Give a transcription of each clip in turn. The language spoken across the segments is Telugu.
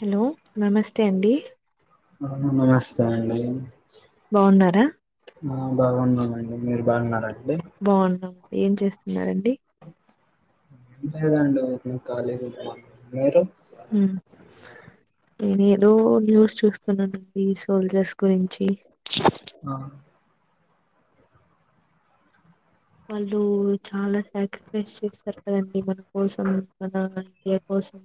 హలో నమస్తే అండి నమస్తే అండి బాగున్నారా ఆ బాగున్నాండి మీరు బాగున్నారండి బాగున్నాం ఏం చేస్తున్నండి ఎంట ఏదాండ కాలేర ఉమ్, నేను ఏదో న్యూస్ చూస్తున్నానండి సోల్జర్స్ గురించి ఆ వాళ్ళు చాలా సాక్రిఫైస్ చేస్తారు కదండి మన కోసం మన ఇండియా కోసం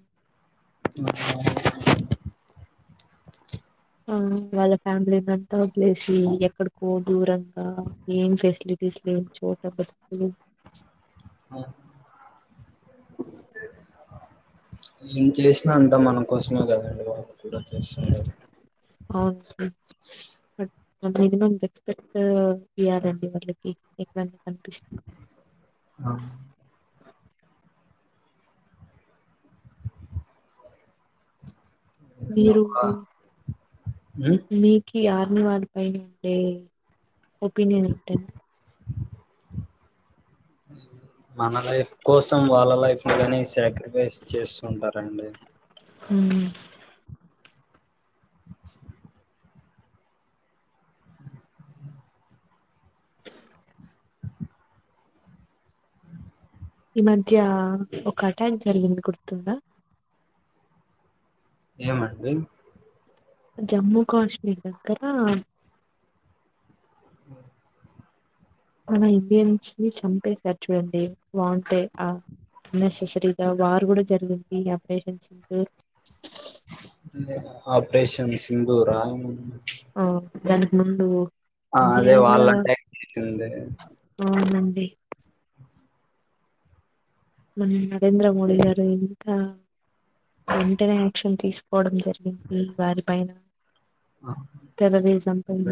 ఆ వాళ్ళ ఫ్యామిలీంతా పలేసి ఎక్కడికో దూరంగా ఏం ఫెసిలిటీస్ లే చోట బచ్చలు ఆ ఏం చేసినా అంతా మనకోసమే కదండి బాబు కూడా చేస్తోంది అవును మినిమం రెస్పెక్ట్ ఇవ్వాలని వాళ్లకు చ్ ఆ ఏదన్నా మీరు ఒక, కు ఉమ్ మీకు ఆర్మీ వాళ్లపైన ఉండే ఒపీనియన్ ఏంటండి అ మన లైఫ్ కోసం వాళ్ళ లైఫ్ కానీ సాక్రిఫైస్ చేస్తుంటారండి ఉ హు వాటర్ సౌండ్ ఈ మధ్య ఒక అటాంక్ జరిగింది గుర్తుందా ఏమండి జమ్మూ కాశ్మీర్ దగ్గర ఉ మన ఇండియన్స్ ని చంపేసారు చూడండి వాంటెడ్ గా సెన్సేషన్ గా వారు కూడా జరిగింది ఆపరేషన్ ఆపరేషన్ సింధూర ఆ దానికి ముందు ఆ అదే అన్యాయంగా వాళ్ళ అటాకుచేసింది అవునండి మన నరేంద్ర మోడీ గారు ఎంత వెంటనే యాక్షన్ తీసుకోవడం జరిగింది వారిపైన ఆ, టెర్రరిజం ఉ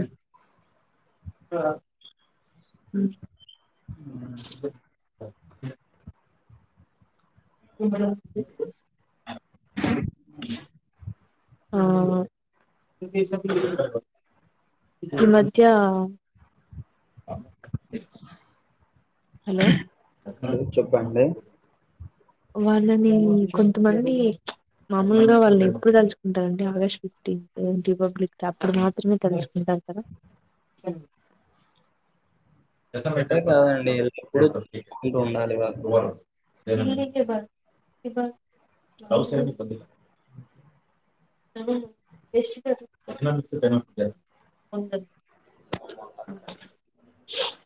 ఉ ఉమ్. అ ఉ ఆ ఈ మధ్య హలో హలో చెప్పండి వాళ్ళని కొంతమంది మామూలుగా వాళ్ళు ఎప్పుడు తలుచుకుంటారుంటడి ఆగస్ట్ ఫిఫ్టీన్త్ రిపబ్లిక్ డే అప్పుడు మాత్రమే తలుచుకుంటారు అందరం ఏస వైట్ అట్టే పేపర్ కాదండి ఎల్లప్పుడూ చూసుకుంటూ ఉండాలి వాళ్ళని. చాలా సేపు ఉన్న ఇబ్బంది లే ఉ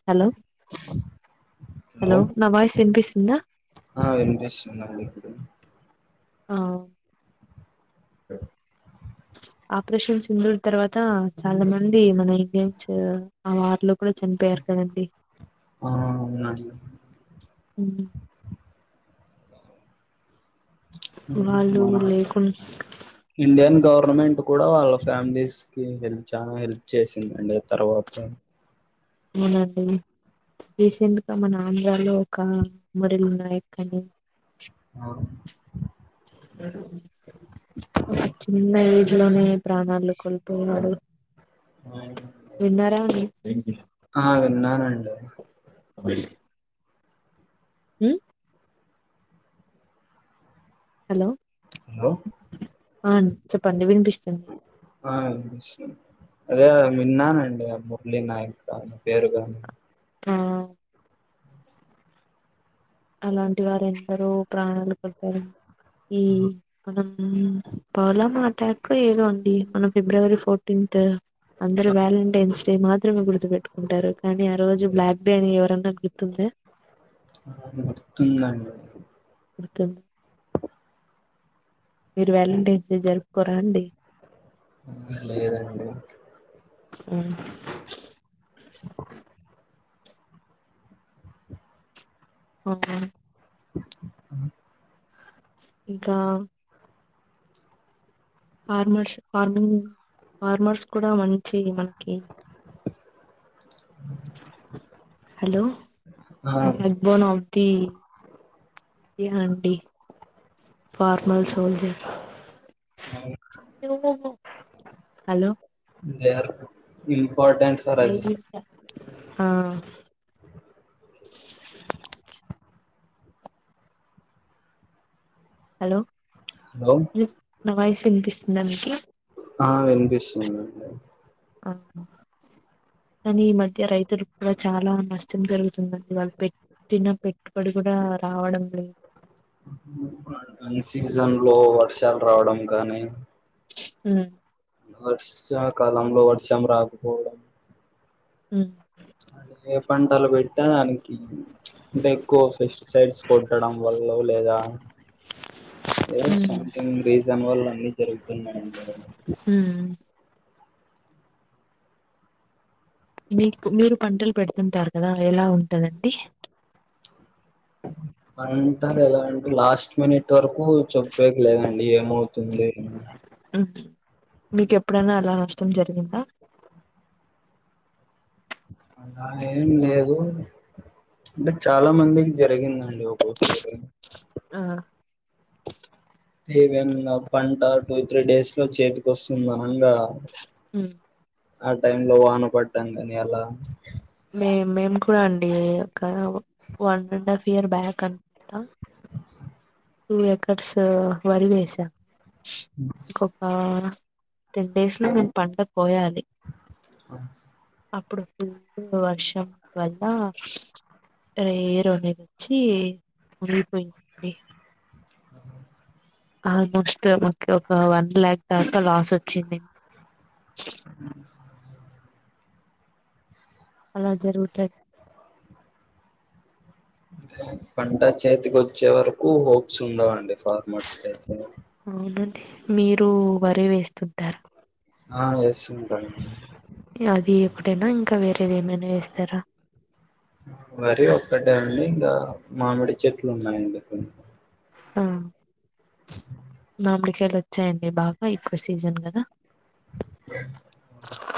హలో వాటర్ సౌండ్ హలో నా వాయిస్ వినిపిస్తుందా ఆ వినిపిస్తుందండి ఆ ఆపరేషన్ సింధూరం తర్వాత చాలా మంది మన ఇండియా నుంచి ఆ వార్ లో కూడా చనిపోయారు వెళ్లిపోయారు కదండీ ఆ అవునా అండి ఉహు వాళ్ళు మన లేకుండా ఇండియన్ గవర్నమెంట్ కూడా వాళ్ళ ఫ్యామిలీస్ కి హెల్ప్ చేసిందండి ఆ తర్వాత అవునా అండి రీసెంట్ గా మన ఆంధ్రాలో ఒక మురళి నాయక్ అని అవును ఒక చిన్న ఏజ్ లోనే ప్రాణాలు కొల్ ఏ నాడు అవునండి. తిన్నారా అండి ఆ విన్నానండి. అ మ్ హలో హలో ఆ అండి చెప్పండి వినిపిస్తుంది ఆ వినిపిస్తుంది. అదే విన్నానండి మురళీ నాయక్ గారి పేరు గాని ఆ అలాంటి వారు ఎందరో ప్రాణాలు కోల్పోడం ఈ మనం మ్ పౌలమ్ అటాక్ ఏదో అండి మొన్న ఫిబ్రవరి ఫో టీన్త్ అందరు వ్యాలంటైన్స్ డే మాత్రమే గుర్తుపెట్టుకుంటారు కానీ ఆ రోజు బ్లాక్ డే అని ఎవరన్నా గుర్తుందా గుర్తుందండి గుర్తుందా వాలంటైన్ డే జరుపుకోరా అండి ఆ, లేదండి. మ్ అవునా అ [inaudible] ఇంకా ఫార్మర్స్ ఫార్మింగ్ ఫార్మర్స్ కూడా మంచి మనకి హలో ఆ! బ్యాక్ బోన్ అఫ్ ది ఏమండి ఫార్మల్ సోల్జర్ అవును. Hello there important for us ఆ [inaudible] హలో హలో నావాయిస్ వినిపిస్తుందా మీకి ఆ వినిపిస్తుదండి అ ఆ కానీ ఈ మధ్య రైతులకు కూడా చాలా నష్టం జరుగుతుందండి వాళ్ళు పెట్టిన పెట్టుబడి గూడా రావడం లేదు అన్ సీజన్ లో వర్షాలు రావడం గానీ మ్ వర్షాకాలంలో వర్షం రాకపోవడం మ్ అ ఏ పంటలు పెట్టా అ అంటే ఎక్కువ ఫెస్టి సైడ్స్ కొట్టడం వల్లో లేదా ఏదో ఉమ్ సంథింగ్ రీజన్ వల్ల అన్ని జరుగుతున్నాయండి ఉమ్ మీకు మీరు పంటలు పెడుతుంటారు కదా ఎలా ఉం పంటలు ఎలా అంటే లాస్ట్ మినెట్ వరకు చెప్పకలేదండి ఏమవుతుందొ ఏ మీకు ఎప్పుడన్నా అలా నష్టం జరిగిందా అలా ఏం లేదు అంటే చాలా మందికి జరిగిందండి ఒకొసారి ఆ! ఏదన్న పంట టూ త్రీ డేస్ లో చేతికి వస్తుంది అనంగా మ్ ఆ టైం లో వాన పడ్టం గాని అలా మే మేము కూడా అండి ఒక one and half year back అను ట టు ఎకర్సు వరి వేసాం ఇంకొక టెన్ డేస్ లో మెం పంట కోయాలి అప్పుడు వర్షం వల్ల రేర్ అనేది వచ్చి మురిగిపోయిందండి ఆ ఆల్మోస్ట్ మాకు ఒక వన్ ల్యాక్ దాకా లాస్ వచ్చింది అలా జరుగుతాయి పంట చేతికి వచ్చే వరకు హోప్స్ ఉండవండి ఫార్మర్స్యితే అవునండి మీరు వరి వేస్తుంటారా ఆ వేస్తుంటాం ఒకటైనా ఇంకా వేరేది ఏమైనా వేస్తారా మరి ఒక్కటే అండి ఇంకా మామిడి చెట్లు ఉన్నాయండి ఆ మామిడికాయలు వచ్చాయండి బాగా ఇఫ సీజన్ కదా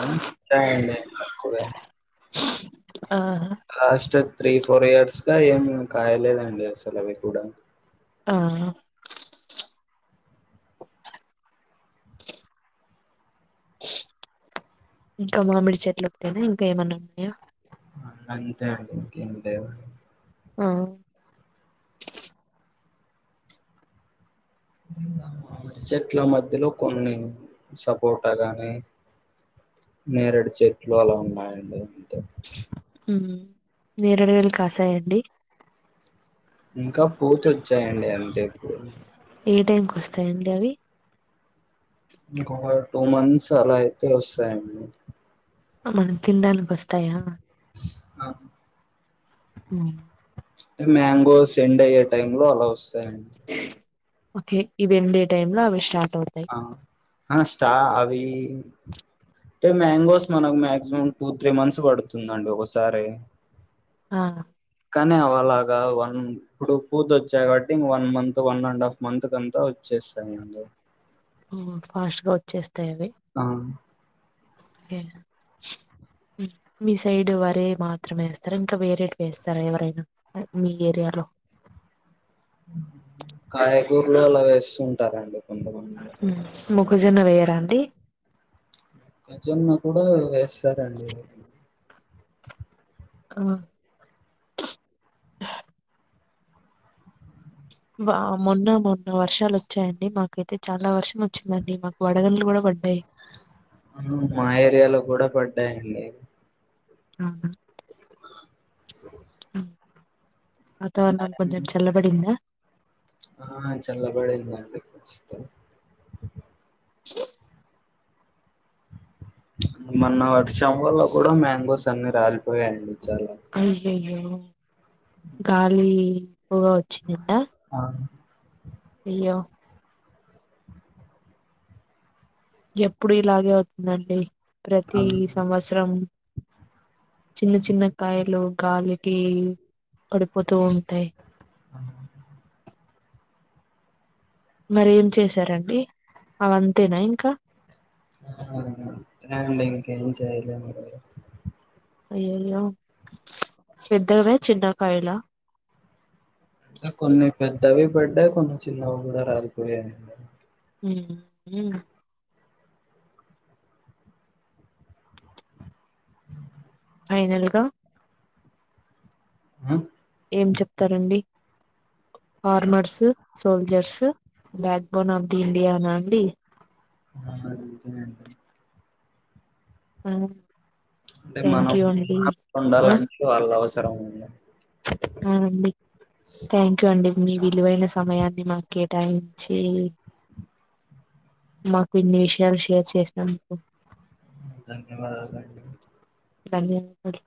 ఉంటాయండి తక్కువే ఆ లాస్ట్ త్రీ ఫోర్ ఇయర్స్ గా ఏం కాయలేదండి అసలు అవి కూడా ఆ ఇంకా మామిడి చెట్లుట్టేనా ఇంకా ఏమన్నా ఉన్నాయా అంతే అండి ఇంకేం లేవు ఆ చెట్ల మధ్యలో కొన్ని సపోర్ట గానీ నేరడు చెట్లు అలా ఉన్నాయండి అంతే నేరడుగాయలు కాసాయండి ఇ ఏ టైంకి వస్తాయండి అవి ఇంకొక టూ మంత్స్ అలా అయితే వస్తాయండి మనం తినడానికి వస్తాయా ఆ మ్మ్ మ్యాంగో స ఎండ్ అయ్యే టైమ్ లో అలా వస్తాయండి ఓకే ఇవి ఎండ్ అయ్యే టైమ్ లో అవి స్టార్ట్ అవుతాయి స్టా అవి అంటే మ్యాంగోస్ మనకు మాక్సిమం టూ త్రీ మంత్స్ పడుతుందండి ఒకసారి ఆ కానీ అ అలాగా వన్ ఇప్పుడు పూర్ వచ్చాయి కాబట్టి ఇం one month one and half month కంతా వచ్చే యండి ఫాస్ట్ గా వచ్చే అ ఆ మీ సైడ్ వరే మాత్రమే వేస్తారు ఇంకా వేరే వేస్తారా ఎవరైనా మీ ఏరియా లో కాయగూరులో అలా వేస్తుంటారండి కొంతమంది మగజొన్న వేయరాండి మొక్కజొన్న కూడా వేస్తారంండి ఆ మొన్న మొన్న వర్షాలు వచ్చాయండి మాకైతే చాలా వర్షం వచ్చిందండి మాకు వడగల్లు కూడా పడ్డాయి ఆ మా ఏరియాలో కూడా పడ్డాయండి ఆహా ఆ వాతావరణం కొంచెం చల్లబడిందా ఆ చల్లబడిందండి ప్రస్తుతం అ మొన్న వర్షం వాళ్ళ కూడా మ్యాంగోస్ అన్ని రాలిపోయయండి అయ్యయ్యో గాలి బ గా వచ్చింద ఆ అయ్యో ఎప్పుడు ఇలాగే అవుతుందండి ఆ ప్రతి సంవత్సరం చిన్న చిన్న కాయలు గాలికి అక్కడి పోతూ ఉంటాయి ఆ మరి ఏం చేశారండి అవంతేనా ఇంకా అంతే అండి ఇంకా ఎం చేయలేము అయ్యయ్యో పెద్దవే చిన్న కాయలా అంటే కొన్ని పెద్దవి పడ్డాయ్ కొన్ని చిన్నవి కూడా రాలిపోయా యండి హుమ్ హుమ్ ఫైనల్గా అ ఏం చెప్తారండి armours soldiers back bone of the ఇండియానా అండి ఆ నిజమే అండి అవును అంటే మనం మా ఆ ఉండాలంటే వాళ్ళ అవసరం ఉంది అవునండి థ్యాంక్ యూ అండి మీ విలువైన సమయాన్ని మాకు కేటాయించి మాకు ఇన్ని విషయాలు షేర్ చేసినందుకు ధన్యవాదాలు అండి ధన్యవాద ల్